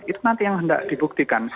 itu nanti yang hendak dibuktikan